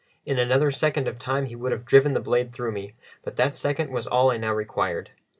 In another second of time he would have driven the blade through me; but that second was all I now required.